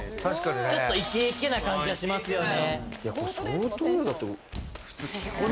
ちょっとイケイケな感じはしますよね。